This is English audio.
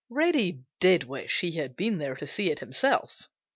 Reddy did wish he had been there to see it himself.